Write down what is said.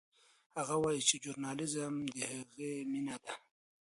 هغه وایي چې ژورنالیزم د هغه مینه ده.